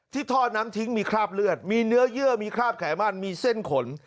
ท่อน้ำทิ้งมีคราบเลือดมีเนื้อเยื่อมีคราบไขมันมีเส้นขน